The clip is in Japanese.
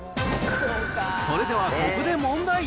それではここで問題。